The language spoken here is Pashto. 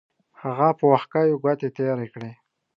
هغه په وښکیو ګوتې تېرې کړې.